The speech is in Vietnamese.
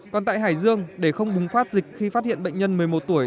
còn tại hải dương để không bùng phát dịch khi phát hiện bệnh nhân một mươi một tuổi